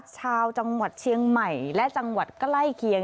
ชาวจังหวัดเชียงใหม่และจังหวัดใกล้เคียง